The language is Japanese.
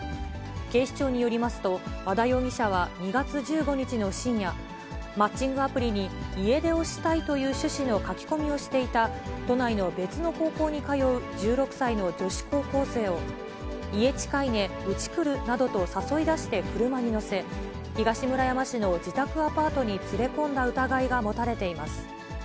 警視庁によりますと、和田容疑者は２月１５日の深夜、マッチングアプリに家出をしたいという趣旨の書き込みをしていた、都内の別の高校に通う１６歳の女子高校生を、家近いね、うち来る？などと誘い出して車に乗せ、東村山市の自宅アパートに連れ込んだ疑いが持たれています。